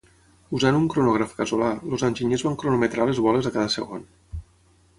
Usant un cronògraf casolà, els enginyers van cronometrar les boles a cada segon.